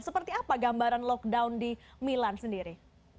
seperti apa gambaran lockdown di milan sendiri